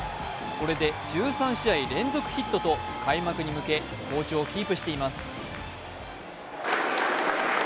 これで１３試合連続ヒットと開幕に向け好調をキープしています。